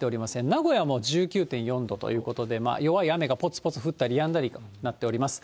名古屋も１９．４度ということで、弱い雨がぽつぽつ降ったりやんだりとなっております。